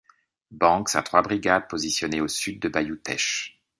Banks a trois brigades positionnées au sud du bayou Teche.